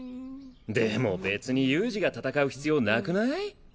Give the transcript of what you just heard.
でも別に悠仁が戦う必要なくない？